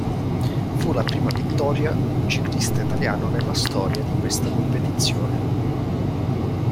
Fu la prima vittoria di un ciclista italiano nella storia di questa competizione.